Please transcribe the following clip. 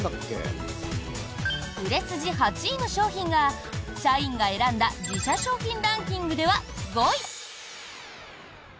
売れ筋８位の商品が社員が選んだ自社商品ランキングでは５位！